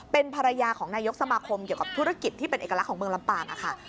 เป็นภรรยาของนายกสมาคมเกี่ยวกับธุรกิจที่เป็นเอกลักษณ์เมืองลำปางค่ะ